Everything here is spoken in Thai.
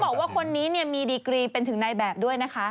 บอกว่าคนนี้มีดีกรีเป็นถึงในแบบด้วยนะคะ